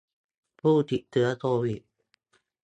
ผู้ติดเชื้อโควิด